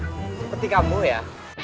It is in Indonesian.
seperti kamu ya